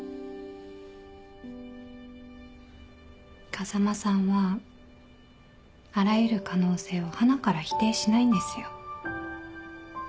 風間さんはあらゆる可能性をはなから否定しないんですよ。